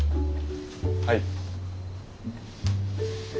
はい？